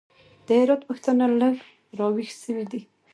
د هرات پښتانه لږ راوېښ سوي دي.